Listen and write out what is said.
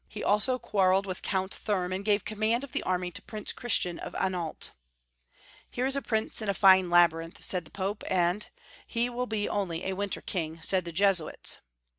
He also quarreled with Count Thurm, and gave command of the army to Prince Christian of Anhalt. " Here is a prince in a fine labjrrinth," said the Pope, and " He will be only a winter king," said 834 Young Folks'* History of Germany. the Jesuits.